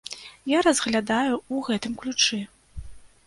Я разглядаю ў гэтым ключы.